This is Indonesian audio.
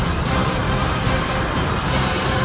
aku mau kesana